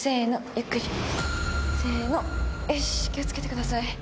ゆっくりよし気を付けてください。